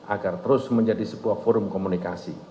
agar terus menjadi sebuah forum komunikasi